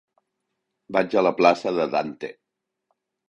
Vaig a la plaça de Dante.